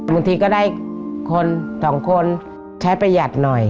บางทีก็ได้คนสองคนใช้ประหยัดหน่อย